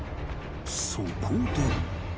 そこで